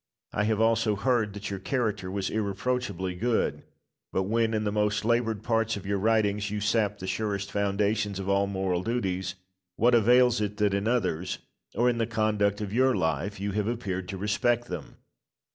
I have also heard that your character was irreproachably good; but when, in the most laboured parts of your writings, you sap the surest foundations of all moral duties, what avails it that in others, or in the conduct of your life, you have appeared to respect them?